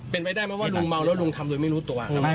เป็นไปได้ไหมว่าลุงเมาแล้วลุงทำโดยไม่รู้ตัว